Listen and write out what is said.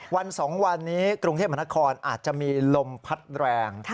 วัน๒วันนี้กรุงเทพมหานครอาจจะมีลมพัดแรง